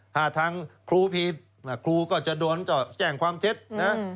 ถ้าทางครูผิดครูก็จะโดนก็แจ้งความเท็จนะ